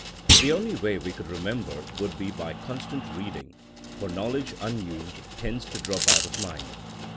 The only way we could remember would be by constant re reading, for knowledge unused tends to drop out of mind.